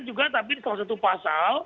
ini juga tapi salah satu pasal